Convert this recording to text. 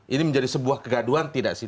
ini menjadi sebuah kegaduan tidak sih